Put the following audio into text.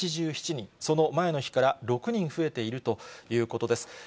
その前の日から６人増えているということです。